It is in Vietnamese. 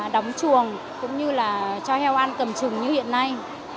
đóng chuồng cũng như là cho heo ăn cầm chừng như hiện nay